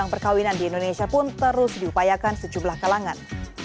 perkahwinan di indonesia pun terus diupayakan secublah kalangan